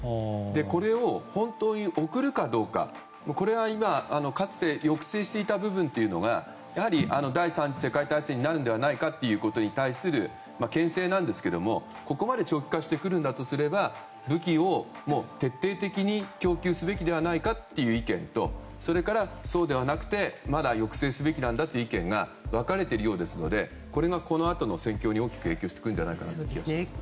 これを本当に送るかどうかこれは、かつて抑制していた部分というのが第３次世界大戦になるのではないかということに対する牽制なんですけどここまで長期化してくるんだとすれば武器を徹底的に供給すべきではないかという意見とそうではなくて、まだ抑制すべきなんだという意見が分かれているようですのでこれが、このあとの戦況に大きく影響してくるんじゃないかという気がします。